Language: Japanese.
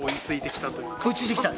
追いついてきた？